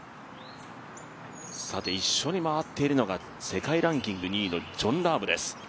さて一緒に回っているのが世界ランキング２位のジョン・ラームです。